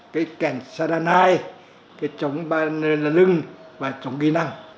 cái kèn xa đàn hai cái trống ba ra nương là lưng và trống ghi năng